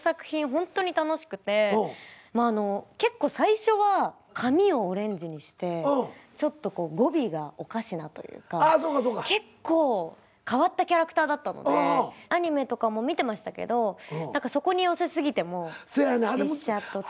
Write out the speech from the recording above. ホントに楽しくて結構最初は髪をオレンジにしてちょっと語尾がおかしなというか結構変わったキャラクターだったのでアニメとかも見てましたけどそこに寄せ過ぎても実写と違って。